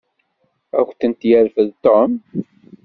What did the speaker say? Ad kent-yerfed Tom.